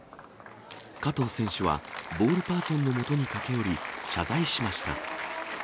加藤選手は、ボールパーソンのもとに駆け寄り、謝罪しました。